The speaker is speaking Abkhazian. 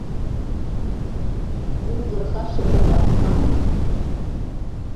Бгәы нзырхаша кыр ҟаҳҵама?